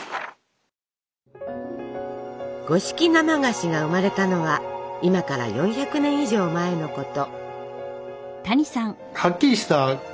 五色生菓子が生まれたのは今から４００年以上前のこと。